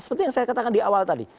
seperti yang saya katakan di awal tadi